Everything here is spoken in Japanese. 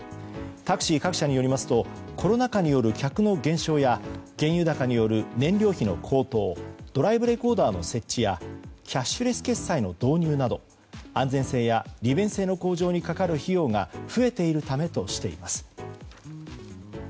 タクシー各社によりますとコロナ禍による客の減少や原油高による燃料費の高騰ドライブレコーダーの設置やキャッシュレス決済の導入など安全性や利便性の向上にかかる費用が増えているためとしています。